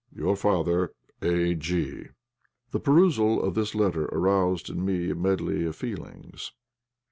"Your father, "A.G." The perusal of this letter aroused in me a medley of feelings.